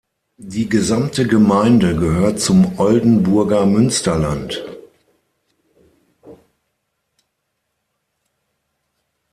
Die gesamte Gemeinde gehört zum Oldenburger Münsterland.